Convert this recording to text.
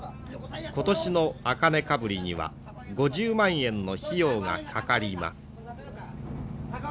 今年の茜かぶりには５０万円の費用がかかります。